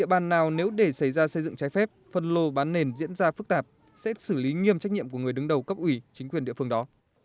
địa bàn nào nếu để xảy ra xây dựng trái phép phân lô bán nền diễn ra phức tạp sẽ xử lý nghiêm trách nhiệm của người đứng đầu cấp ủy chính quyền địa phương đó